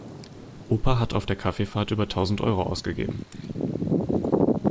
Opa hat auf der Kaffeefahrt über tausend Euro ausgegeben.